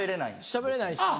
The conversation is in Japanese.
しゃべれないし。